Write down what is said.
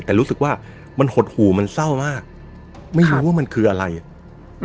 แต่รู้สึกว่ามันหดหู่มันเศร้ามากไม่รู้ว่ามันคืออะไรอ่ะอืม